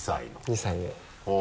２歳で。